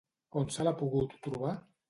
On se l'ha pogut trobar?